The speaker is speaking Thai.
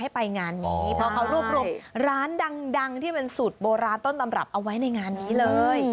ไปงานนี้เพราะเขารวบรวมร้านดังที่เป็นสูตรโบราณต้นตำรับเอาไว้ในงานนี้เลย